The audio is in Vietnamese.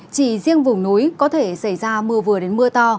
chỉ riêng vùng núi có thể xảy ra mưa vừa đến mưa to